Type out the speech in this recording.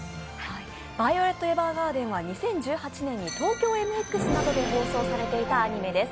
「ヴァイオレット・エヴァーガーデン」は２０１８年にＴＯＫＹＯＭＸなどで放送されていたアニメです。